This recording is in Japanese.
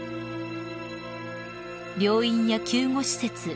［病院や救護施設